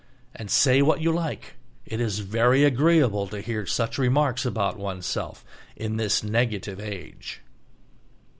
And, say what you like, it is very agreeable to hear such remarks about oneself in this negative age.